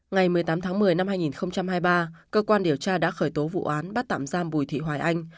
ngày một mươi tám tháng một mươi năm hai nghìn hai mươi ba cơ quan điều tra đã khởi tố vụ án bắt tạm giam bùi thị hoài anh